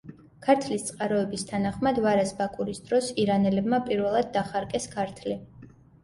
ქართლის წყაროების თანახმად, ვარაზ-ბაკურის დროს ირანელებმა პირველად დახარკეს ქართლი.